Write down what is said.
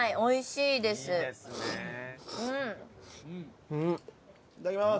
いただきます。